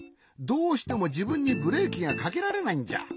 どうしてもじぶんにブレーキがかけられないんじゃ。